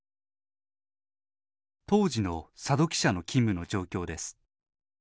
当時の佐戸記者の勤務の状況です。